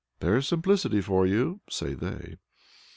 "There's simplicity for you!" say they.